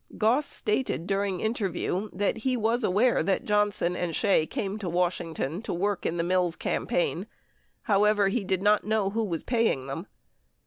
Goss stated during interview that he was aware that Johnson and Shea came to Washington to work in the Mills campaign ; however, he did not know who was paying them.